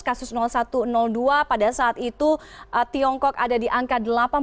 kasus satu dua pada saat itu tiongkok ada di angka delapan puluh